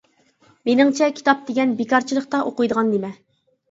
مېنىڭچە كىتاب دېگەن بىكارچىلىقتا ئوقۇيدىغان نېمە.